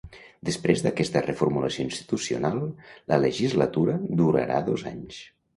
Després d’aquesta reformulació institucional, la legislatura durarà dos anys.